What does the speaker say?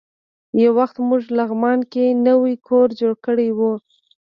یو وخت موږ لغمان کې نوی کور جوړ کړی و.